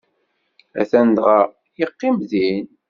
Atan dɣa, yeqqim din.